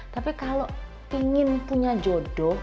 tapi kalau ingin punya jodoh